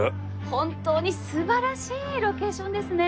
本当にすばらしいロケーションですね。